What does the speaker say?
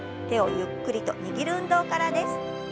手をゆっくりと握る運動からです。